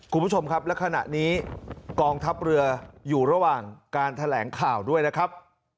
คุณผู้ชมครับและขณะนี้กองทัพเรืออยู่ระหว่างการแถลงข่าวด้วยนะครับ